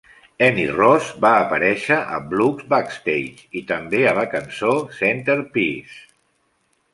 Annie Ross va aparèixer a "Blues Backstage" i també a la cançó "Centerpiece".